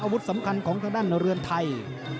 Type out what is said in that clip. สำคัญของทางด้านเรือนไทย